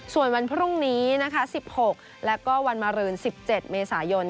ส่วนวันพรุ่งนี้นะคะ๑๖แล้วก็วันมารืน๑๗เมษายน